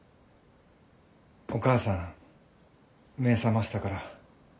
お母さん目覚ましたから。